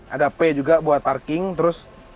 ada pay juga buat parking terus